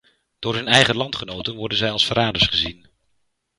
Door hun eigen landgenoten worden zij als verraders gezien.